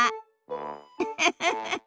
ウフフフ。